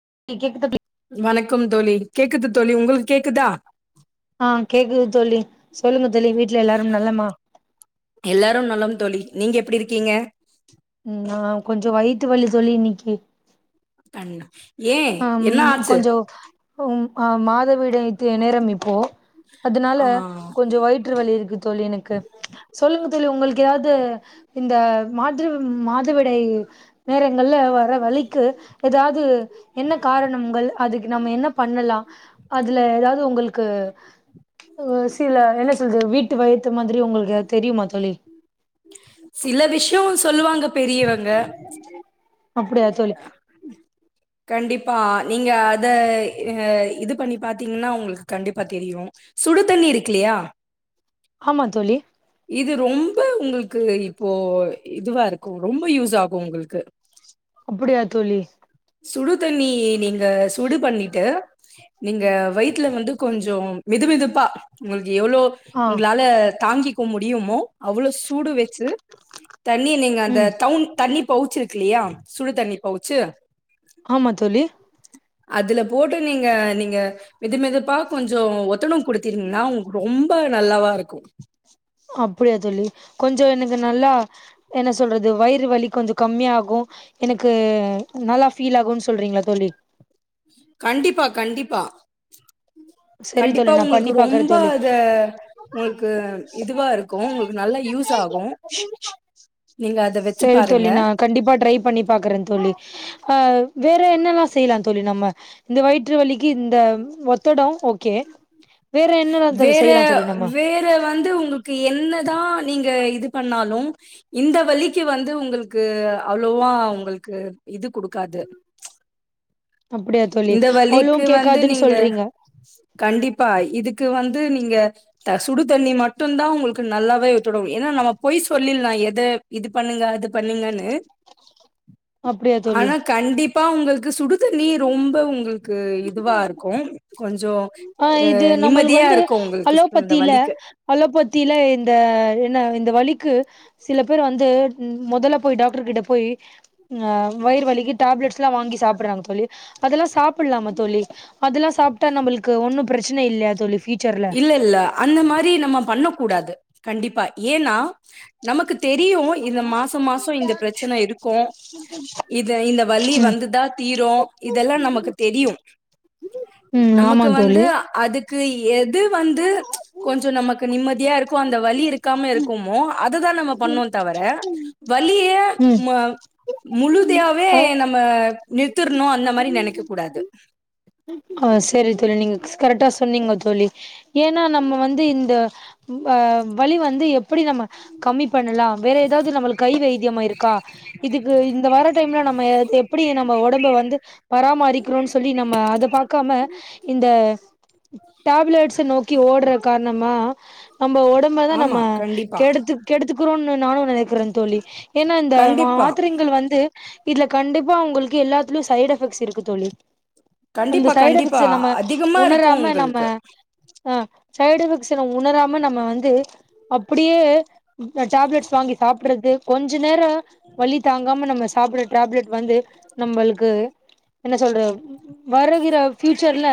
[unintelligible] வணக்கம் தோழி கேக்குது தோழி உங்களுக் கேக்குதா ஆஹ் கேக்குது தோழி சொல்லுங்க தோழி வீட்டுல எல்லாரும் நல்லமா எல்லாரு நலம் தோழி நீங்க எப்படி இருக்கீங்க ம் நா கொஞ்ச வைத்துவலி தோழி இன்னைக்கு கண்ணம் ஏ என்ன ஆச்சு கொஞ்சோ உம் ஆம் மாதவிடாய் தே நேரம் இப்போ அதனால ஆ கொஞ்ச வயிற்று வலி இருக்கு தோழி எனக்கு சொல்லுங்க தோழி உங்களுக்கு ஏதாவது இந்த மா வந்து மா [unintelligible] மாதவிடாய் நேரங்கள்ல வர வழிக்கு ஏதாவ்து என்ன காரணம்ங்கள் அதுக்கு நம்ம என்ன பண்னலா அதுல ஏதாவது உங்களுக்கு உ சில என்ன சொலது வீட்டு வய்து மாதிரி உங்களுக்கு ஏது தெரியுமா தொழி சில விஷ்ய சொல்லுவாங்க பெரியவங்க அப்டியா தோழி கண்டிப்பா நீங்க அத இஹ இதுப் ப்ப நி பாத்தீங்கன்னா உங்களுக்கு கண்டிப்பா தெரியும் சுடு தண்ணி இருக்கிலையா ஆமா தோழி இது ரொம்ப உங்களுக்கு இப்போ இதுவா இருக்கு ரொம்ப யூஸ்ஸாகு உங்களுக்கு அப்படியா தோழி சுடு தண்ணி நீங்க சுடு பண்ணிட்டு நீங்க வயிதுல வந்து கொஞ்சம் வெது வெதுப்பா [inaudible] எவ்ளோ ஆ உங்களால தாங்கி முடியுமோ அவளோ சூடு வ ச் சு தண்ணி நீங்க அந்த ம் தவுன் தண் பவுச் இருக்கில்லயா சுடுதண்ணி பவுச்சு ஆமா தோழி அதுல போட்டு நீங்க நீங்க மெது மெதுப்பா கொஞ்சோ ஒத்தனம் குடுத்தீங்கின்னா ரொம்ப நல்லாவா இருக்கு அப்டியா தோழி கொஞ்ச நிங்க நல்லா என்ன சொல்றது வயிறு வலி கொஞ்ச கம்மியாகு எனக்கு நல்லா ஃபீல் ஆகு சொல்றீங்களா தோழி கண்டிப்பா கண்டிப்பா சரி தோழி கண்டிப்பா நா பண்ணி உங்ளுக்கு பாக்குறே ரொம்ப தோழி அத உங்ளுக்கு இதுவாருக்கு உங்ளுக்கு நல்லா யூஸ்ஸாகு செரி தொலி நா கண்டிப்பா ட்ரை பண்ணி பாக்குறேன் தோலி ஆ வேற என்னல்லா செய்யலா தோலி நம்ம இந்த வயிற்று வலிக்கு இந்த ஒத்தட ஓகே வேற என்னெல்லா தோழி வேற செய்யலா தோழி நம்ம வேற வந்து உங்க்ளுக்கு என்னதான் நீங்க ஏ இது பண்ணாலு இந்த வலிக்கு வந்து உங்களுக்கு அவ்ளோவா உங்களுக்கு இது குடுக்காது அப்படியா தோழி இந்த அவ்ளோவு வலிக்கு வந்து கேக்காதுன்னு நீங்க சொல்றீங்க கண்டிப்பா இதுக்கு வந்து நீங்க அஹ் சுடு தண்ணி மட்டுந்தா உங்களுக்கு நல்லாவே தொலும் ஏனா நம்ம பொய் சொல்லிற்லா எத இது பண்ணுங்க அது பண்ணுங்கன்னு அப்படியா தோழி ஆனா கண்டிப் ப்பா உங்களுக்கு சுடு தண்ணீர் ரொம்பவு உங்களுக்கு இதுவாருக்கு கொஞ்சோ ஆஹ் இது நம்மளுக்கு வந்து அந்த அலோபத்தில வலிக்கு. அலோபத்தில இந்த என்ன இந்த வலி லிக்கு சில பேர் வந்து உம் மொதல போய் டாக்டர்கிட்ட போய் அஹ் வயிறு வலிக்கு டேப்லெட்ஸ்லா வாங்கி சாப்ட்றாங்க தோழி அதெல்லா சாப்புட்லாம தோழி அதுலா சாப்டா நம்பளுக் கு ஒன்னு பிரச்சன இல்லையா தோழிஃப் இல்ல இல்ல அந்த மாரி நம்ம பண்ணக் கூடாது கண்டிப்பா ஏனா நமக்குத் தெரியு இந்த மாச மாச இந்த பிரச்சன இருக்கு இது இந்த வலி ம் வந்துதா தீரு இதெல்லா நமக்கு தெரியு ம் ஆமா நமக்கு வந்து தோழி அதுக் க்கு ஏன் வந்து கொஞ்ச நமக்கு நிம்மதியா இருக்கு அந்த வலி இருக் இருக்காம இருக்குமோ அததான் நம்ம பண்ணோ தவிர வலிய ம் ம முழுதையாவே நம்ம நிறுத்திற்ணும் அந்த மாதிரி நனைக்க ஆ கூடாது ஆ செரி தோழி நீங்க கரெக்ட்டா சொன்னீங்க தோழி ஏன்னா நம்ம வந்து இந்த வழி வந்து எப்படி நம்ம கம்மிப் பண்ணலாம் வேற ஏதாவது நம்மளுக்கு கை வைத்தியமா இருக்கா இதுக்கு இந்த வர டைம்ல நம்ம எப்படி நம்ம ஒடம்ப வந்து பராமரிக் குனு சொல்லி நம்ம அத பாக் இந்த டேப்லெட்ஸ் நோக்கி ஓடுற காரணமா நம்ப ஒடம்பதா நம்ம ஆமா, கண்டிப்பா. கெடுத் கெடுத்து குறோனு நானு நெனைக் கிறென் தோழி ஏன்னா இந்த கண்டிப்பா. மாத்திரைங்கள் வந்து இதுல கண்டிப்பா உங்களுக்கு எல்லாத்துலயு சைட் எஃபெக்ட்ஸ் இருக்கு தோழி அந்த கண்டிப்பா, சைடு கண்டிப்பா. எஃபெக்ட்ஸ் நம்ம அதிகமா இருக்கும் உணராம நம்ம உங்களுக்கு. அ சைடு எஃபெக்ட்ஸ் உணராம நம்ம வந்து அப்படியே டேப்லெட்ஸ் வாங்கி சாப்டுறது கொஞ் நேர வலி தாங்காம நம்ம டேப்லெட் டேப்லெட் வந்து நம்மளுக்கு என்ன சொல்ற வருகிற ஃபியூச்சர்ல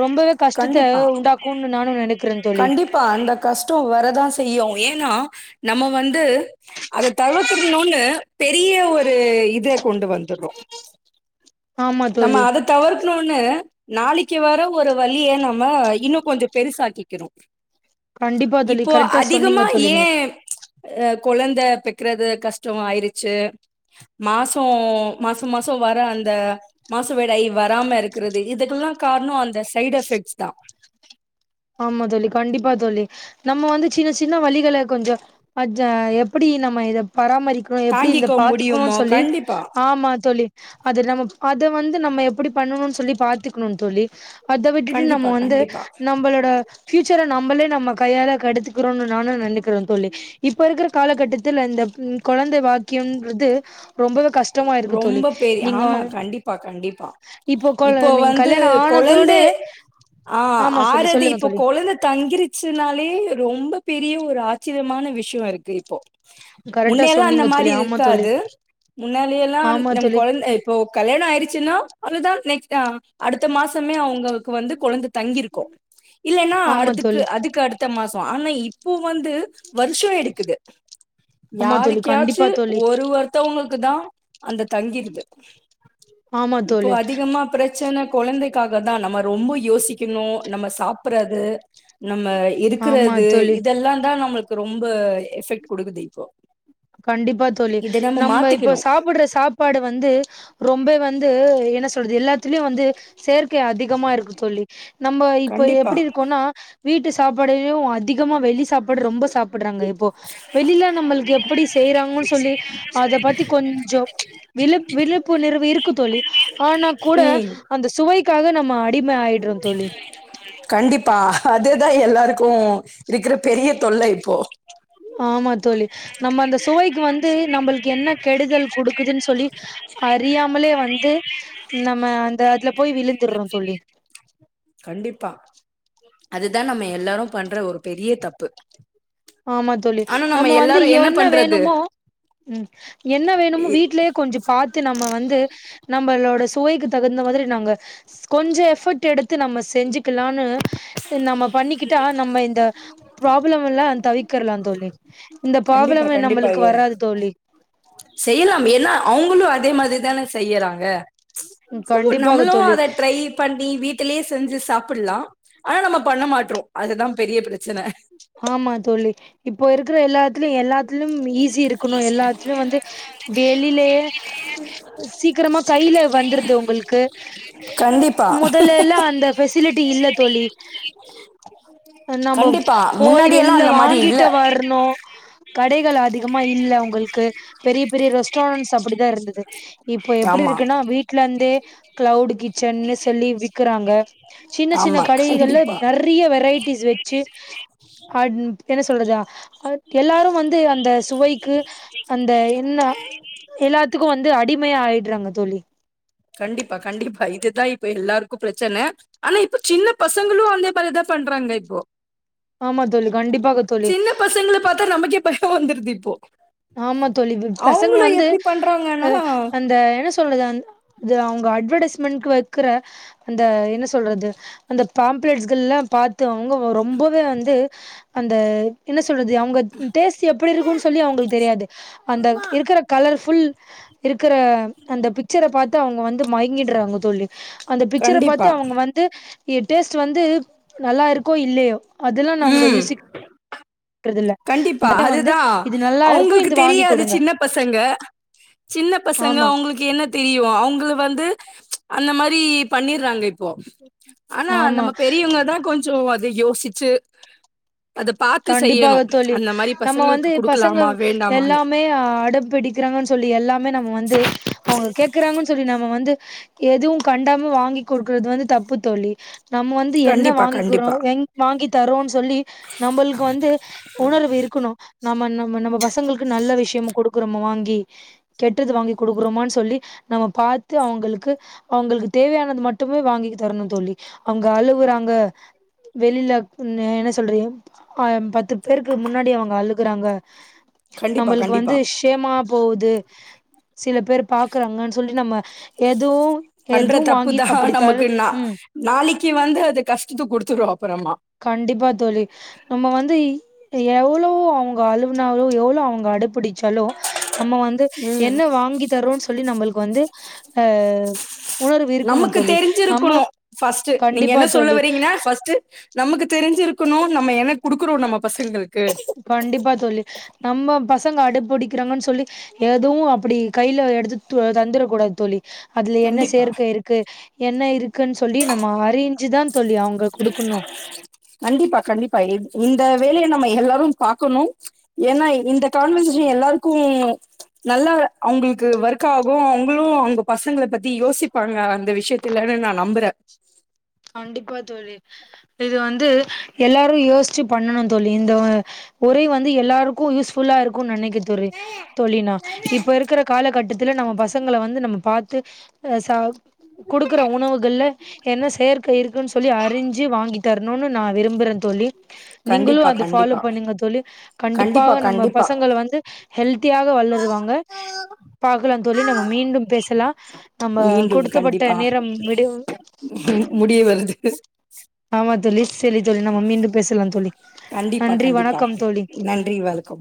ரொம்பவே கஷ்டத்த கண்டிப்பா உண்டாக்கும்னு நானும் நினைக்கிறேன் தோழி கண்டிப்பா அந்த கஷ்டோ வரதா செய்யு ஏன்னா நம்ம வந்து அத தவுத்துறன்னு பெரிய ஒரு இத கொண்டு வந்துடுறோ ஆமா நம்ம தோழி அதை தவிர் ஏ நாளைக்கு வர ஒரு வழிய நம்ம இன்னும் கொஞ்சம் பெருசாக்கிக்கிறோம் கண்டிப்பா தோழி இப்போ கரெக்டா சொன்னீங்க அதிகமா தோழி ஏ நீங்க அ குழந்த பெக்கறது கஷ்டம் ஆயிருச்சு மாச மாசம் மாசம் வர அந்த மாசம் வெடாய் வர வராம இருக்கிறது இதுக்கெல்லாம் காரணம் அந்த சைடு எஃபெக்ட்ஸ் தா ஆமா தோழி கண்டிப்பா தோழி நம்ம வந்து சின்ன சின்ன வலிகள கொஞ்ச அஜ எப்படி நம்ம இத பராமரிக் ருக்கணும் எப்படி இந்த தாங்கிக்க பாத்துக்கணு முடியுமா சொல்லி கண்டிப்பா ஆமா தோழி அது நம்ம அத வந்து நம்ம எப்படி பண்ணணும்னு சொல்லி பாத்துக்கணு தோழி அத விட்டுட்டு நம்ம கண்டிப்பா வந்து கண்டிப்பா நம்பளோ ஏ பியூச்சர நம்மளே நம்ம கையாள கேடுத்துக்றோன்னு நாணு நெனக்கிறன் தோழி இப்ப இருக்குற காலகட்டத்துல இந்த கொழந்த பாக் கியம்ன்றது ரொம்பவே கஷ்டமா இருக்கு தோழி ரொம்ப பெரிய நீங்க ஆமா வந் கண்டிப்பா கண்டிப்பா இப்போ கொழ நீங்க வந்து கல்யாணம் ஆனதோட கொழந்தை ஆமா சொல்லு சொல்லுங்க கொழந்தை தங்கிருச்சுனாலே ரொம்ப பெரிய ஒரு ஆச்சரியமான விஷயம் இருக்கு இப்போ கரெக்டா முன்னையல்லா அந்த சொன்னீங்க மாரி தோழி இரு ஆமா தோழி க்காது முன்னாடியல்லா ஆமா நம் தோழி கொழந்த இப்போ கல்யாண ஆயிருச்சின்னா அதுதா நெக்ஸ்ட் ஆ அடுத்த மாசமே அவுங்க வந்து கொழந்த தங்கியிருக்கும் இல்லன்னா ஆமா அதுக்கு தோழி அதுக்கு அடுத்த மாசம் ஆனா இப்போ வந்து வருஷம் எடுக்குது ஆமா தோழி கண்டிப்பா யாருக்கயாச்சு தோ ஒரு ஒருத்தவங்களுக்கு தா அந்த தங்கிருது ஆமா இப்போ தோழி அதிகமா பிரெச்சன கொழந்தைக் க்காக தா நம்ம ரொம்ப யோசிக்கணும் நம்ம சாப்ட்றது நம்ம ஆமா இருக்குறது தோழி இதெல்லா தா நமக் ரொம்ப எஃபெக்ட் குடுக்குது இப்போ கண்டிப்பா தோழி இத நம்ம இப்ப மாத்திக்கணு சாப்புடுற சாப்பாடு வந்து ரொம்ப வந்து என்ன சொல்றது எல்லாத்துலயும் வந்து சேர்க் க்க அதிகமா இருக்கு தோழி நம்ம இப்ப கண்டிப்பா எப்டி இருக்கோனா வீட்டு சாப்பாடையு அதிகமா வெளி சாப்பாடு ரொம்ப சாப் படுறாங்க இப்போ வெளில நம்மளுக்கு எப் ப்டி செய்யறாங்கனு சொல்லி அத பத்தி கொஞ்சோ விழுப் விழிப்புணர்வு இருக்கு தோழி ஆனா கூட ம் அந்த சுவை க்காக நம்ம ஆ அடிம ஆயிட்றோ தோழி ப்பா அதுதா எல்லாருக்கு இருக்குற பெரிய தொல்ல இப்போ ஆமா தோழி நம்ம அந்த சுவைக்கு வந்து நம்பளுக்கு என்ன கெடுதல் குடுக்குதுன் சொல்லி அறியாமலே வந்து நம்ம அந்த அதுல போய் விழுந்துடுறோ தோழி கண்டிப்பா அதுதா நம்ம எல்லாரு பண்ற ஒரு பெரிய தப் ப்பு ஆமா தோழி நம்ம வந்து என்ன வேணுமோ ம்ம் என்ன வேணுமோ இ- வீட்லயே கொஞ்சோ பாத்து நம்ம வந்து நம்பளோட சுவைக்குத் தகுந்த மாதிரி நாங்க கொஞ்சோ எஃபர்ட் எடுத்து நம்ம செஞ்சிக்கலான்னு நம்ம பண்ணிக்கிட்டா நம்ம இந்த ப்ராப்ளம் எல்லா தவிக்கெரலா தோழி இந்த கண்டிப்பா பராப்ளமே கண்டிப்பா நம்மளுக்கு வராது தோழி செய்யலாம் ஏன்னா அவங்களும் அதே மாதிரி தானே செய்யறாங்க [unintelligible] கண்டிப்பாக நம்மளு தோழி அத ட்ரை பண்ணி வீட்டுலேயே செஞ்சு சாப்பிட்லா ஆனா நம்ம பண்ண மாட்றோ அதுதா பெரிய பிரச்சனை ஆமா தோழி இப்போ இருக்கிற எல்லாத்துல எல்லாத்திலும் ஈஸி இருக்கணும் எல்லாத்திலும் வந்து வெளிலயே சீக்கிரமா கையிலே வந்துருது உங்களுக்கு கண்டிப்பா முதல்லல்ல அந்த ஃபெசிலிட்டி இல்ல தோழி நம்மோ கண்டிப்பா போயி முன்னாடி எல்லா வெளில அந்த மாரி இல்ல வாங்கிட்டு வர்ணு கடைகள் அதிகமா இல்ல உங்களுக்கு பெரிய பெரிய ரெஸ்டாரண்ட்ஸ் அப்படித்தான இருந்தது இப்போ எப்படி ஆமா இருக்குன்னா வீட்ல இருந்தே க்ளவுட் கிச்சன்னு சொல்லி விக்கிறாங்க சின்னச் சின்ன ஆமா கடைகள்ல கண்டிப்பா நெர்றைய்ய வெரைட்டிஸ் வச்சு ஆட் டென்னிஸ் சொல்லுதா அதுக் எல்லாரு வந்து அந்த சுவைக்கு அந்த என்ன எல்லாத்துக்கு வந்து அடிமையா ஆய் ரங்க தோழி கண்டிப்பா கண்டிப்பா இதுதா இப்ப எல்லாருக்கு பிரச்சனை ஆனா இப்பச் சின்னப் பசங்களு அதே மாதிரிதா பண்றாங்க இப்போ ஆமா தோழி கண்டிப்பாக தோழி த்து வந்துருது இப்போ ஆமா தோழி ப் ப் பசங்க அவுங்களு வந்து எப்டி பண்றாங்கன்னா அஹ் அந்த என்ன சொல்றது அந் இது அவங்க அட்வர்டைஸ்மெண்ட்கு வக்கிற அந்த என்ன சொல்றது அந்த பாம்ஃப்லெட்கள் எல்லா பாத் த்து அவங்க ரொம்பவே வந்து அந்த என்ன சொ சொல்றது அவுங்க டேஸ்ட் எப்புடி இருக்கும்ன்னு சொல்லி அவங்களுக்கு தெரியாது அந்த இருக்கிற கலர்ஃபுல் இருக் க்கிற அந்த பிக்சரை பாத் து அவுங்க வந்து மயங்கிடுறாங்க தோழி அந்த பிக்சரைப் பார்த்து கண்டிப்பா அவுங்க வந்து இது டேஸ்ட் வந்து நல்லா இருக்கோ இல்லையோ அதெல்லாம் நான் அவ்ங்க ம் யூசிக் க்கிறது இல்ல [unintelligible] வந்து இது நல்லா இருக் உங்களுக்கு தெரியாது சின்ன பசங்க சின்ன பசங்க ஆமா அவுங்களுக்கு என்ன தெரியு அவுங்கள் வந்து ச் அந்த மாரி பண்ணீறாங்க இப்போ ஆனா ஆமா நம்ம பெரியவங்கதா கொஞ்சோ இத யோசிச்சு அத பாத்து செய்யணு [unintelligible] அந்த மாரி நம்ம வந்து பசங்களுக்கு பசங்க குடுக்கலாமா வேண்டாமான்னு எல்லாமே அட பிடிக்கிறாங்னு சொல்லி எல்லாமே நம்ம வந்து அவுங்க கேக்குறாங்கன்னு சொல்லி நம்ம வந்து எதுவு கண்டாமு வாங்கி கொடுக்குறது வந்து தப்பு தோழி நம்ம வந்து என்ன கண்டிப்பா கண்டிப்பா வாங்கிக்கிறோம் எங் வாங்கி தரோனு சொல்லி நம்மளுக்கு வந்து உணர்வு இருக்கணு நம்ம நம்ம நம்ம பசங்களுக்கு நல்ல விஷயமா கொடுக்குறோமா வாங்கி கெட்டது வாங்கி கொடுக்குறோமான்னு சொல்லி நம்ம பாத்து அவுங்களுக்கு அவுங்களுக்கு தேவையானது மட்டுமே வாங்கி தரணு தோழி அவுங்க அழுவுறாங்க வெளில என்ன சொல்றது [unintelligible] பேருக்கு முன்னாடி அவுங்க அழு குறாங்க கண்டிப்பா நம்மளுக்கு வந்து கண்டிப்பா ஸ்ஷேமா போகுது சில பேர் பாக்குறாங்கனு சொல்லி நம்ம எதுவு பண்ற தப்பு தா நமக்கு ந ம். நாளைக் கி வந்து அது கஷ்டத குடுத்துரு அப்பறமா கண்டிப்பா தோழி நம்ம வந்து எவ்ளோ அவுங்க அழுவுனாலோ எவ்ளோ அவுங்க அடப்பிடிச்சாலு நம்ம வந்து ம் என்ன வாங்கி தறோன்னு சொல்லி நம்மளுக்கு வந்து அ உணர்வு இருக்கணும் நமக்கு தோழி. நம்ம தெரிஞ்சிருக்குணு ஃபர்ஸ்ட்டு நீங்க கண்டிப்பா என்ன சொல்ல தோழி. வர்றீங்னா ஃபர்ஸ்ட்டு நமக்கு தெரிஞ்சிருக்கணு நம்ம என்ன குடுக்குறோ நம்ம பசங்களு கண்டிப்பா தோழி நம்ம ப த்ங்க அடப்புடிக்கிறாங்கன் சொல்லி எதுவு அப்டி கைல எடுத்து து தந்துரக்கூடாது தோழி அதுல என்ன கண்டிப்பா சேர்க்கை இருக்கு என்ன இருக் க்குன் சொல்லி நம்ம அறிஞ்சிதா தோழி அவங்கக் குடுக்கணு கண்டிப்பா கண்டிப்பா இ இந்த வேலைய [unintelligible] பாக்கணு ஏனா இந்த கான்வர்சேஷ எல்லாருக்கு நல்ல அவ்ங்ளுக்கு ஒர்க் ஆகு அவ்ங்ளு அவங்க பசங்ள பத்தி யோசிப்பாங்க அந்த விஷயத்துலனு நா நம்புற கண்டிப்பா தோழி இது வந்து எல்லாரு யோசிச்சு பண்ணணு தோழி இந்த உரை வந்து எல்லாருக்கு யூஸ்ஃபுல்லா இருக்குன் நெனை [unintelligible] தோழி நா இப்ப இருக்கிற காலகட்டத் இதுல நம்ம பசங்கள வந்து நம்ம பாத்து சா குடுக்குற உணவுகள்ல என்ன செயற் க்கை இருக்குன் சொல்லி அறிஞ்சு வாங்கித்தர இன்னொன்னு நா விரும்புறே தோழி நீங்களு கண்டிப்பா அது ஃபாலோ கண்டிப்பா பண்ணுங்க தோழி கண்டிப்பா கண்டிப்பாக நம்ம கண்டிப்பா பசங்கள வந்து ஹெல்த்தியாக வளருவாங்க பாக்கலா தோழி நம்ம மீண்டும் பேசலா நம்ம மீண்டும் கொடுத்தப்பட்ட கண்டிப்பா நேரம் விடைவு [unintelligible] சேலி தோழி நம்ம மீண்டும் பேசலாந் தோழி கண்டிப்பா நன்றி கண்டிப்பா வணக்கம் தோழி நன்றி வணக்கம்